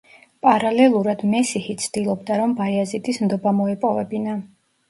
პარალელურად მესიჰი ცდილობდა, რომ ბაიაზიდის ნდობა მოეპოვებინა.